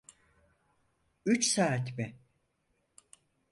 Üç saat mi?